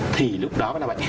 thì lúc đó là bệnh